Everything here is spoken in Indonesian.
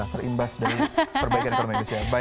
terimbas dari perbaikan ekonomi indonesia